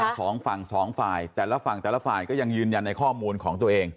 สองฝั่งสองฝ่ายแต่ละฝั่งแต่ละฝ่ายก็ยังยืนยันในข้อมูลของตัวเอง